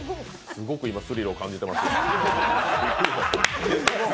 すごく今、スリルを感じてます。